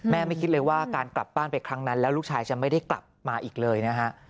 ไม่คิดเลยว่าการกลับบ้านไปครั้งนั้นแล้วลูกชายจะไม่ได้กลับมาอีกเลยนะฮะ